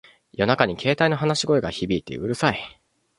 夜中に携帯の話し声が響いてうるさい